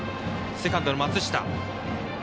セカンドの松下。